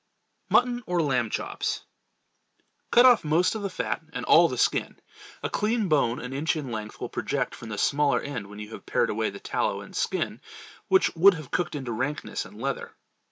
Mutton or Lamb Chops. Cut off most of the fat and all the skin. A clean bone an inch in length will project from the smaller end when you have pared away the tallow and skin which would have cooked into rankness and leather.